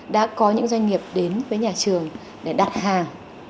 đã có những doanh nghiệp đến với nhà trường để đặt hàng